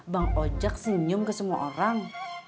bang ojek senyum ke semua orang